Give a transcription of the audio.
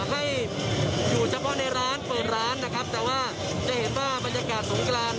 ให้อยู่เฉพาะในร้านเปิดร้านนะครับแต่ว่าจะเห็นว่าบรรยากาศสงกราน